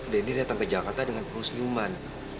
dan dia datang ke jakarta dengan penuh senyuman